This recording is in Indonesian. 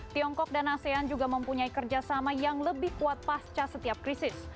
tiongkok dan asean juga mempunyai kerjasama yang lebih kuat pasca setiap krisis